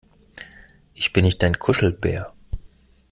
Ich bin nicht dein Kuschelbär!